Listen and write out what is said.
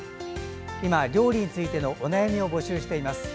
今、料理についてのお悩みを募集しています。